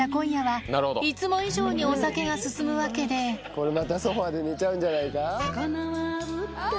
これまたソファで寝ちゃうんじゃないか？